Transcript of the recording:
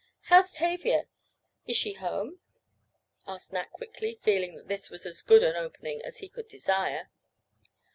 "How's Tavia? Is she home?" asked Nat quickly, feeling that this was as good an opening as he could desire.